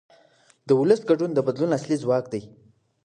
د ولس ګډون د بدلون اصلي ځواک دی